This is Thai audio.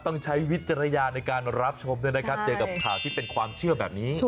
ใช้วิจารณญาณในการรับชมด้วยนะครับเจอกับข่าวที่เป็นความเชื่อแบบนี้